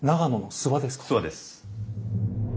諏訪です。